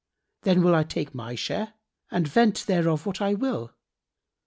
Then will I take my share and vent thereof what I will.